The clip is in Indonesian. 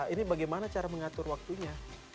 ini bagaimana cara mengatur waktunya